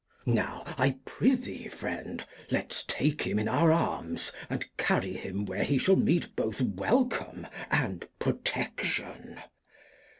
Now, I prethee Friend, let's take him in our Arms, and carry him where he shall meet both Welcome, and Protection.